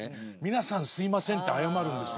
「皆さんすみません」って謝るんですよ。